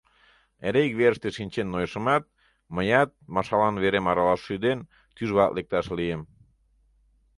Эре ик верыште шинчен нойышымат, мыят, Машалан верем аралаш шӱден, тӱжвак лекташ лийым.